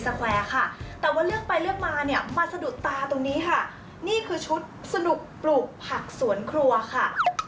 แควร์ค่ะแต่ว่าเลือกไปเลือกมาเนี่ยมาสะดุดตาตรงนี้ค่ะนี่คือชุดสนุกปลูกผักสวนครัวค่ะ